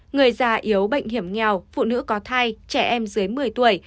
người già yếu bệnh hiểm nghèo phụ nữ có thai trẻ em dưới một mươi tuổi